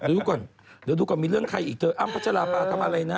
เดี๋ยวดูก่อนมีเรื่องใครอีกเถอะอ้ำปัจจาราภาทำอะไรนะ